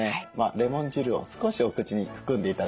レモン汁を少しお口に含んで頂けますか？